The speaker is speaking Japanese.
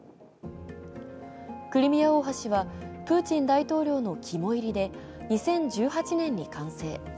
クリミア大橋はプーチン大統領の肝煎りで２０１８年に完成。